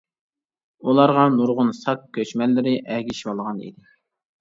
ئۇلارغا نۇرغۇن ساك كۆچمەنلىرى ئەگىشىۋالغان ئىدى.